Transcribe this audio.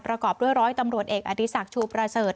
ประกอบด้วยร้อยตำรวจเอกอดีศักดิ์ชูประเสริฐ